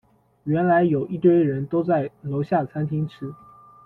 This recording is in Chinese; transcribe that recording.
原来有一堆人都在楼下餐厅吃